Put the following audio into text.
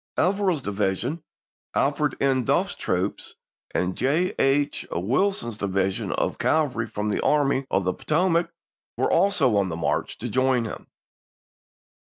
Averill's division, Alfred N. Duffle's troops, and J. H. Wilson's division of cavalry from the Army of the Potomac were also on the march to join him.